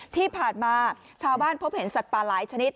ที่ผ่านมาชาวบ้านพบเห็นสัตว์ปลาหลายชนิด